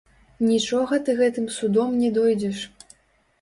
Нічога ты гэтым судом не дойдзеш!